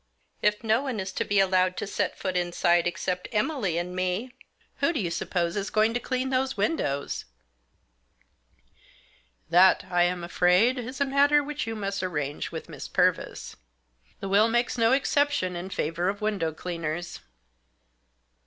If no one is to be allowed to set foot inside except Emily and me, who do you suppose is going to clean those windows ?" "That, I am afraid, is a matter which you must arrange with Miss Purvis ; the will makes no excep tion in favour of window cleaners."